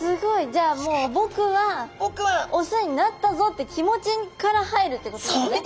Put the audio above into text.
じゃあもうぼくはオスになったぞって気持ちから入るってことですね。